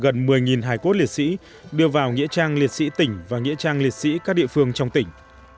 gần một mươi hải cốt liệt sĩ đưa vào nghĩa trang liệt sĩ tỉnh và nghĩa trang liệt sĩ các địa phương trong tỉnh